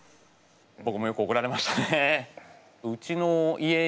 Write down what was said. ぼくもよくおこられましたね。